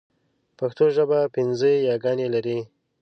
پښتو ژبه پنځه ی ګانې لري.